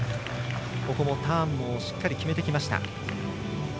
ターンもしっかり決めてきました。